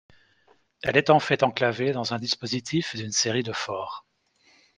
Elle est en fait enclavée dans un dispositif d'une série de forts.